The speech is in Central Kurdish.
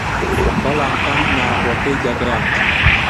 بەڵام ئەم ناوەڕۆکەی دەگەیاند